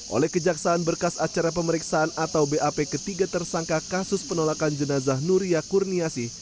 oleh kejaksaan berkas acara pemeriksaan atau bap ketiga tersangka kasus penolakan jenazah nuria kurniasih